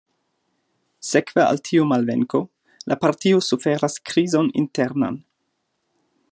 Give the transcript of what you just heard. Sekve al tiu malvenko, la partio suferas krizon internan.